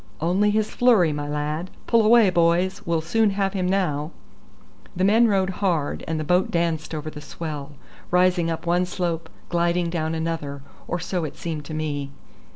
"Only his flurry, my lad. Pull away, boys; we'll soon have him now." The men rowed hard, and the boat danced over the swell, rising up one slope, gliding down another, or so it seemed to me.